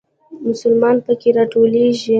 مسلمانان په کې راټولېږي.